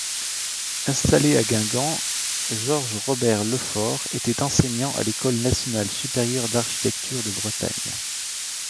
Installé à Guingamp, Georges-Robert Lefort était enseignant à l'école nationale supérieure d'architecture de Bretagne.